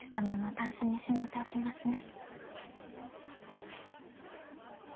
タンスにしもうておきますね。